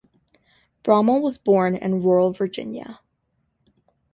Bromell was born in rural Virginia.